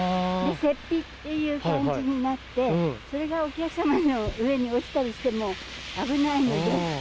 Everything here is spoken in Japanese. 雪庇っていう感じになって、それがお客様の上に落ちたりしても、危ないので。